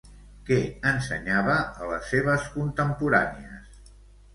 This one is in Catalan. Què ensenyava a les seves contemporànies?